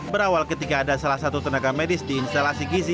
berawal ketika ada salah satu tenaga medis di instalasi gizi